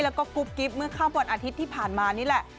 แล้วก็กุ๊บกิ๊บเมื่อค่ำวันอาทิตย์ที่ผ่านมานี่แหละ